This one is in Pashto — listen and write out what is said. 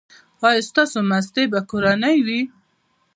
ایا ستاسو ماستې به کورنۍ وي؟